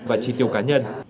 và chi tiêu cá nhân